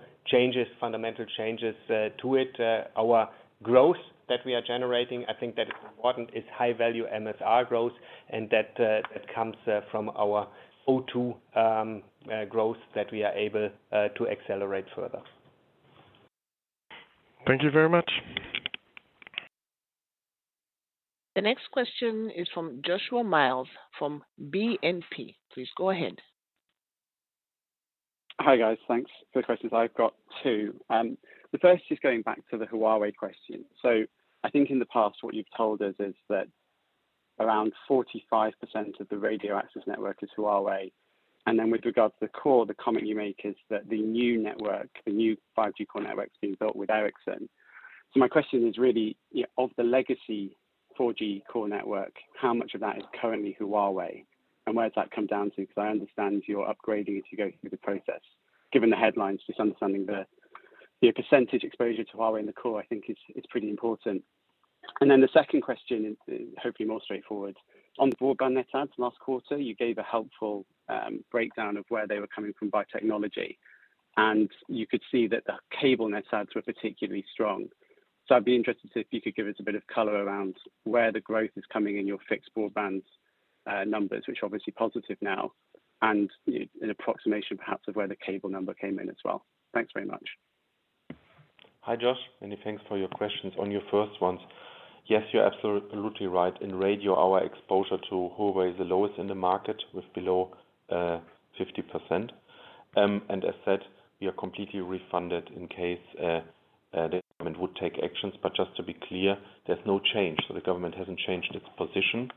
fundamental changes to it. Our growth that we are generating, I think that is important, is high-value MSR growth, and that comes from our O2 growth that we are able to accelerate further. Thank you very much. The next question is from Joshua Mills, from BNP. Please go ahead. Hi, guys. Thanks. For the questions, I've got two. The first is going back to the Huawei question. I think in the past, what you've told us is that around 45% of the radio access network is Huawei. Then with regards to the core, the comment you make is that the new network, the new 5G core network is being built with Ericsson. My question is really, of the legacy 4G core network, how much of that is currently Huawei? Where does that come down to? Because I understand you're upgrading it, you're going through the process. Given the headlines, just understanding your percentage exposure to Huawei in the core, I think is pretty important. Then the second question is hopefully more straightforward. On the broadband net adds last quarter, you gave a helpful breakdown of where they were coming from by technology, and you could see that the cable net adds were particularly strong. I'd be interested to see if you could give us a bit of color around where the growth is coming in your fixed broadband numbers, which are obviously positive now, and an approximation perhaps of where the cable number came in as well. Thanks very much. Hi, Josh, and thanks for your questions. On your first ones, yes, you're absolutely right. In radio, our exposure to Huawei is the lowest in the market with below 50%. As said, we are completely reimbursed in case the government would take actions. Just to be clear, there's no change. The government hasn't changed its position,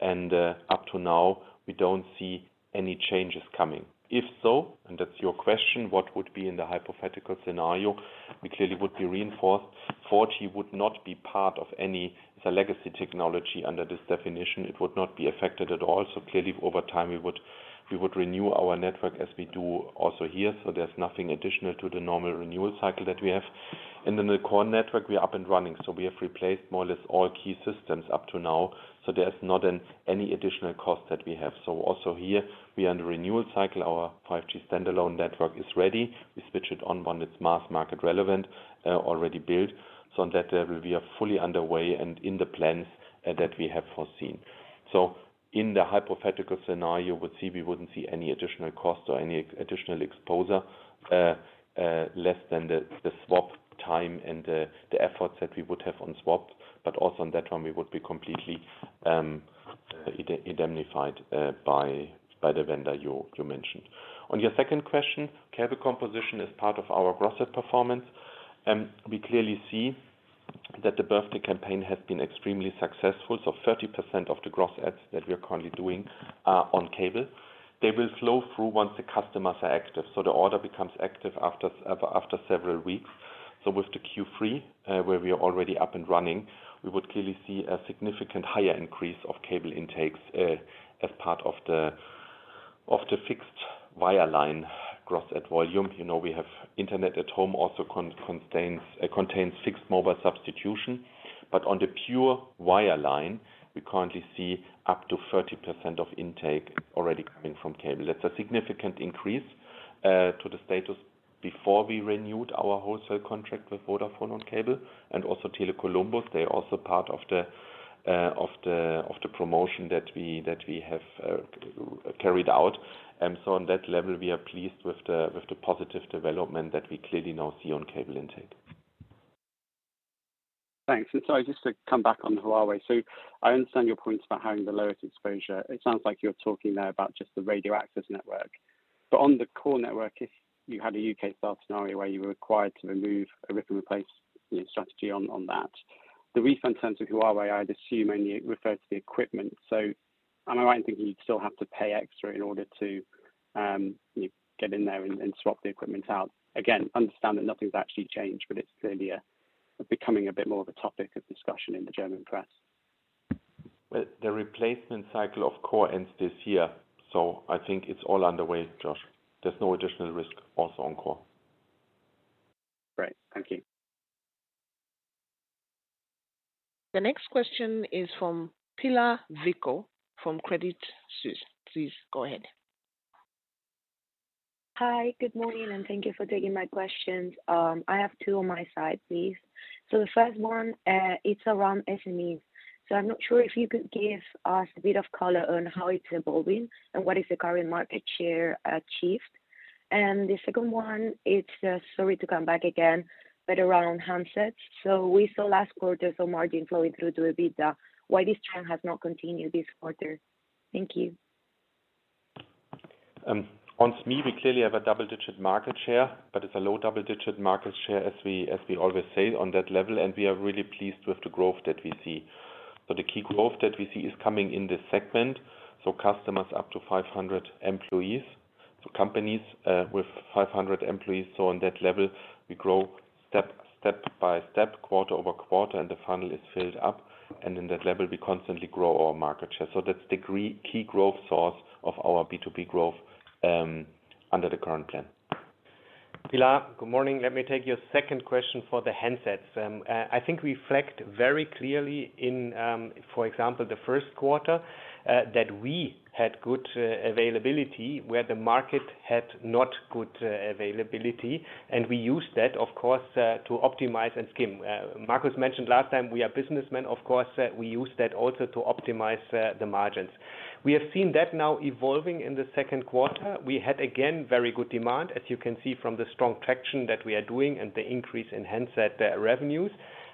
and up to now, we don't see any changes coming. If so, and that's your question, what would be in the hypothetical scenario? We clearly would be reimbursed. 4G would not be part of any legacy technology under this definition. It would not be affected at all. Clearly, over time, we would renew our network as we do also here. There's nothing additional to the normal renewal cycle that we have. In the core network, we are up and running, so we have replaced more or less all key systems up to now. There's not any additional cost that we have. Also here we are in the renewal cycle. Our 5G standalone network is ready. We switch it on when it's mass market relevant, already built. On that level, we are fully underway and in the plans that we have foreseen. In the hypothetical scenario, we wouldn't see any additional costs or any additional exposure, less than the swap time and the efforts that we would have on swap, but also on that one, we would be completely indemnified by the vendor you mentioned. On your second question, cable composition is part of our gross performance, and we clearly see that the birthday campaign has been extremely successful. 30% of the gross adds that we are currently doing are on cable. They will flow through once the customers are active. The order becomes active after several weeks. With the Q3, where we are already up and running, we would clearly see a significant higher increase of cable intakes, as part of the fixed wireline gross add volume. You know, we have internet at home also contains, it contains fixed mobile substitution. On the pure wireline, we currently see up to 30% of intake already coming from cable. That's a significant increase to the status before we renewed our wholesale contract with Vodafone on cable and also Tele Columbus. They're also part of the promotion that we have carried out. On that level, we are pleased with the positive development that we clearly now see on cable intake. Thanks. Sorry, just to come back on Huawei. I understand your points about having the lowest exposure. It sounds like you're talking there about just the radio access network. On the core network, if you had a U.K. style scenario where you were required to remove a rip and replace strategy on that, the refund terms of Huawei, I'd assume, only refers to the equipment. I'm alright in thinking you'd still have to pay extra in order to get in there and swap the equipment out. Again, understand that nothing's actually changed, but it's clearly becoming a bit more of a topic of discussion in the German press. Well, the replacement cycle of core ends this year, so I think it's all underway, Josh. There's no additional risk also on core. Great. Thank you. The next question is from Pilar Vico from Credit Suisse. Please go ahead. Hi. Good morning, and thank you for taking my questions. I have two on my side, please. The first one, it's around SMEs. I'm not sure if you could give us a bit of color on how it's evolving and what is the current market share achieved. The second one, sorry to come back again, but around handsets. We saw last quarter gross margin flowing through to EBITDA. Why this trend has not continued this quarter? Thank you. On SME, we clearly have a double-digit market share, but it's a low double-digit market share, as we always say on that level. We are really pleased with the growth that we see. The key growth that we see is coming in this segment, so customers up to 500 employees. Companies with 500 employees. On that level, we grow step by step, quarter-over-quarter, and the funnel is filled up. In that level, we constantly grow our market share. That's the key growth source of our B2B growth under the current plan. Pilar, good morning. Let me take your second question for the handsets. I think we reflect very clearly in, for example, the first quarter, that we had good availability where the market had not good availability, and we used that, of course, to optimize and skim. Markus mentioned last time we are businessmen, of course, we use that also to optimize the margins. We have seen that now evolving in the second quarter. We had, again, very good demand, as you can see from the strong traction that we are doing and the increase in handset revenues.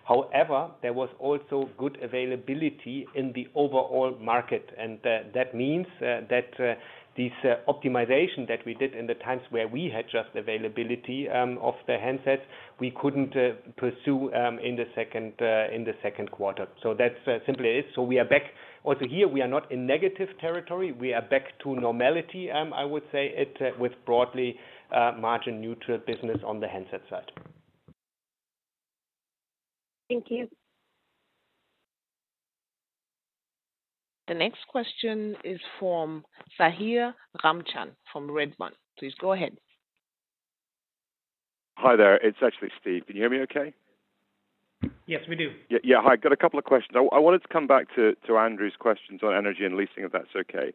However, there was also good availability in the overall market, and that means that this optimization that we did in the times where we had just availability of the handsets, we couldn't pursue in the second quarter. That's simply it. We are back. Also, here we are not in negative territory. We are back to normality, I would say it with broadly margin neutral business on the handset side. Thank you. The next question is from Steve Malcolm from Redburn. Please go ahead. Hi there. It's actually Steve. Can you hear me okay? Yes, we do. Yeah. Hi. Got a couple of questions. I wanted to come back to Andrew's questions on energy and leasing, if that's okay.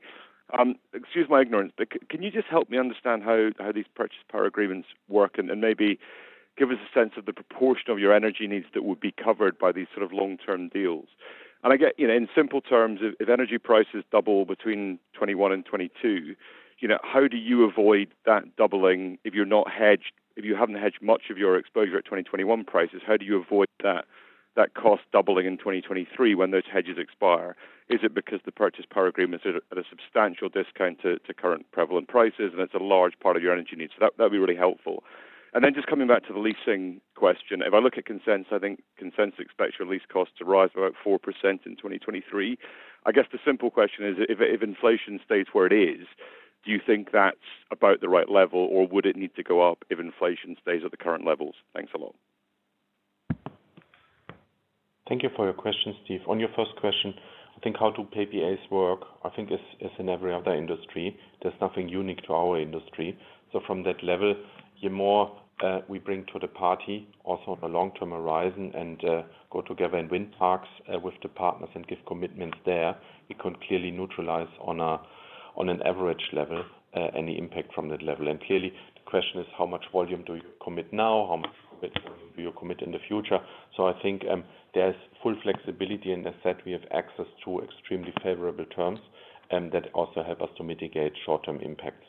Excuse my ignorance, but can you just help me understand how these power purchase agreements work? Maybe give us a sense of the proportion of your energy needs that would be covered by these sort of long-term deals. I get, you know, in simple terms, if energy prices double between 2021 and 2022, you know, how do you avoid that doubling if you're not hedged. If you haven't hedged much of your exposure at 2021 prices, how do you avoid that cost doubling in 2023 when those hedges expire? Is it because the power purchase agreements are at a substantial discount to current prevalent prices, and it's a large part of your energy needs? That'd be really helpful. Just coming back to the leasing question. If I look at consensus, I think consensus expects your lease costs to rise about 4% in 2023. I guess the simple question is if inflation stays where it is, do you think that's about the right level, or would it need to go up if inflation stays at the current levels? Thanks a lot. Thank you for your question, Steve. On your first question, I think how PPAs work is in every other industry. There's nothing unique to our industry. From that level, the more we bring to the party, also the long-term horizon and go together and wind parks with the partners and give commitments there, we can clearly neutralize on an average level any impact from that level. Clearly the question is how much volume do you commit now? How much volume do you commit in the future? I think there's full flexibility and as we have access to extremely favorable terms that also help us to mitigate short-term impacts.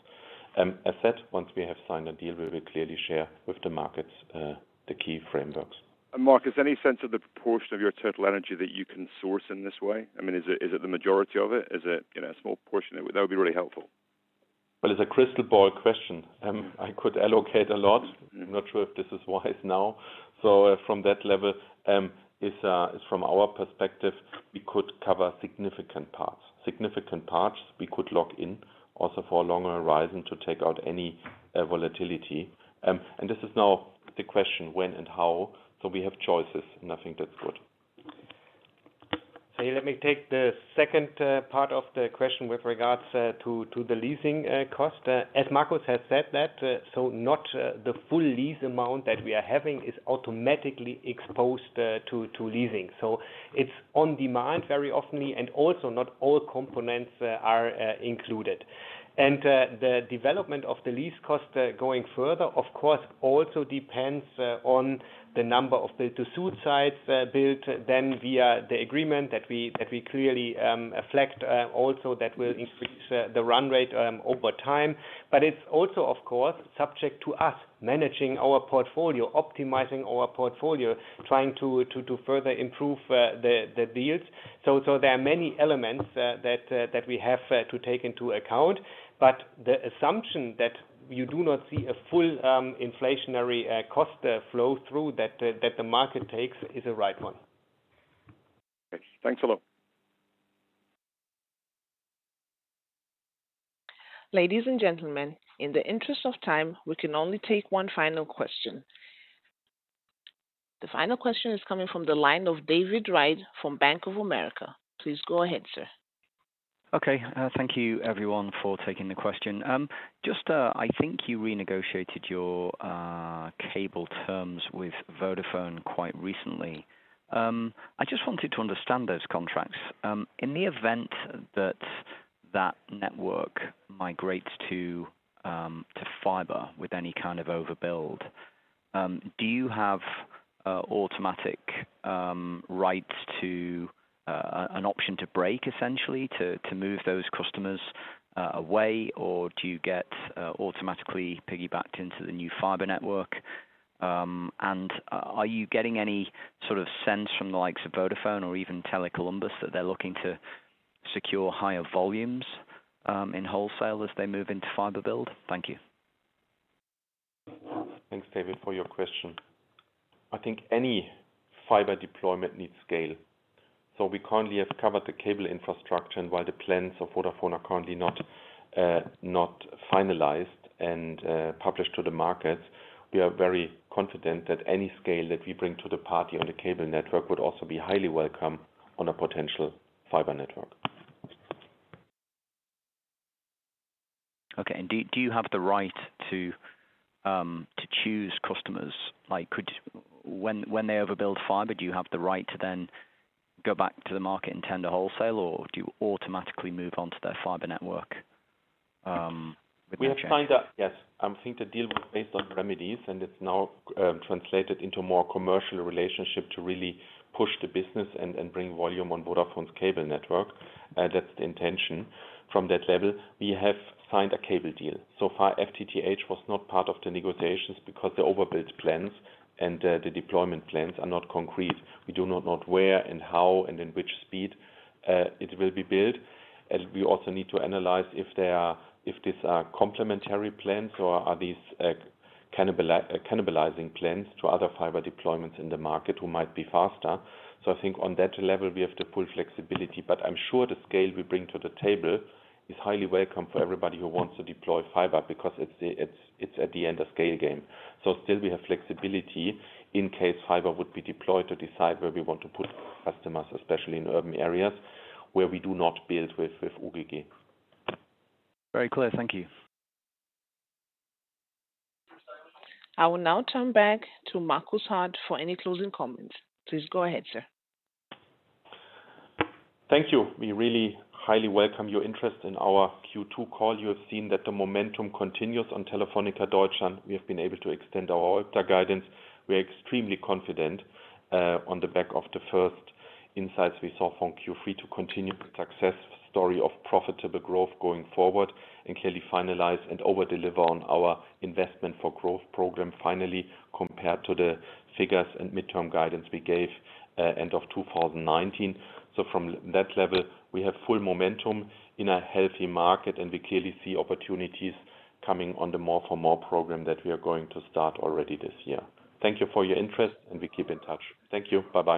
Once we have signed a deal, we will clearly share with the markets the key frameworks. Markus, any sense of the proportion of your total energy that you can source in this way? I mean, is it the majority of it? Is it, you know, a small portion? That would be really helpful. Well, it's a crystal ball question. I could allocate a lot. I'm not sure if this is wise now. From that level, from our perspective, we could cover significant parts. Significant parts we could lock in also for a longer horizon to take out any volatility. This is now the question when and how. We have choices, and I think that's good. Let me take the second part of the question with regards to the leasing cost. As Markus has said, not the full lease amount that we are having is automatically exposed to leasing. It's on demand very often, and also not all components are included. The development of the lease cost going further, of course, also depends on the number of tower sites built then via the agreement that we clearly reflect also that will increase the run rate over time. It's also of course subject to us managing our portfolio, optimizing our portfolio, trying to further improve the deals. There are many elements that we have to take into account. The assumption that you do not see a full inflationary cost flow through that the market takes is a right one. Thanks a lot. Ladies and gentlemen, in the interest of time, we can only take one final question. The final question is coming from the line of David Wright from Bank of America. Please go ahead, sir. Thank you everyone for taking the question. Just, I think you renegotiated your cable terms with Vodafone quite recently. I just wanted to understand those contracts. In the event that network migrates to fiber with any kind of overbuild, do you have automatic rights to an option to break essentially to move those customers away? Or do you get automatically piggybacked into the new fiber network? Are you getting any sort of sense from the likes of Vodafone or even Tele Columbus that they're looking to secure higher volumes in wholesale as they move into fiber build? Thank you. Thanks, David, for your question. I think any fiber deployment needs scale. We currently have covered the cable infrastructure. While the plans of Vodafone are currently not finalized and published to the market, we are very confident that any scale that we bring to the party on the cable network would also be highly welcome on a potential fiber network. Okay. Do you have the right to choose customers? When they overbuild fiber, do you have the right to then go back to the market and tender wholesale, or do you automatically move on to their fiber network? We have signed. Yes. I think the deal was based on remedies, and it's now translated into more commercial relationship to really push the business and bring volume on Vodafone's cable network. That's the intention. From that level, we have signed a cable deal. So far, FTTH was not part of the negotiations because the overbuild plans and the deployment plans are not concrete. We do not know where and how and in which speed it will be built. We also need to analyze if these are complementary plans or are these cannibalizing plans to other fiber deployments in the market who might be faster. I think on that level, we have the full flexibility. I'm sure the scale we bring to the table is highly welcome for everybody who wants to deploy fiber because it's a scale game. We still have flexibility in case fiber would be deployed to decide where we want to put customers, especially in urban areas where we do not build with UGG. Very clear. Thank you. I will now turn back to Markus Haas for any closing comments. Please go ahead, sir. Thank you. We really highly welcome your interest in our Q2 call. You have seen that the momentum continues on Telefónica Deutschland. We have been able to extend our EBITDA guidance. We are extremely confident, on the back of the first insights we saw from Q3 to continue the success story of profitable growth going forward and clearly finalize and overdeliver on our investment for growth program finally, compared to the figures and midterm guidance we gave, end of 2019. From that level, we have full momentum in a healthy market, and we clearly see opportunities coming on the More for More program that we are going to start already this year. Thank you for your interest, and we keep in touch. Thank you. Bye-bye.